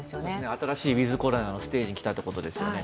新しいウィズ・コロナのステージにきたということですよね。